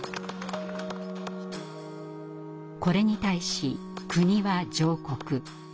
これに対し国は上告。